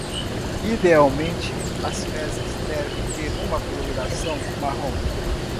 Idealmente, as fezes devem ter uma coloração marrom